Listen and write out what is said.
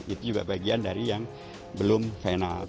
itu juga bagian dari yang belum final